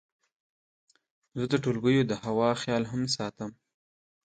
زه د ټولګیو د هوا خیال هم ساتم.